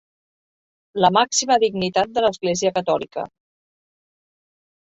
La màxima dignitat de l'Església catòlica.